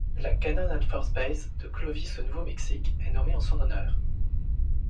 La Cannon Air Force Base, de Clovis au Nouveau-Mexique, est nommée en son honneur.